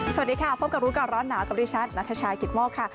สวัสดีค่ะพบกับรู้ก่อนร้อนหนาวกับดิฉันนัทชายกิตโมกค่ะ